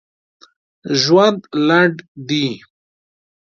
ژوند لنډ دي!